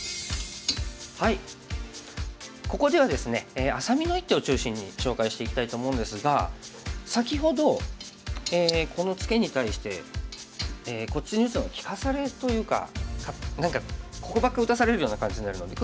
ここではですねあさみの一手を中心に紹介していきたいと思うんですが先ほどこのツケに対してこっちに打つのが利かされというか何かここばっか打たされるような感じになるので黒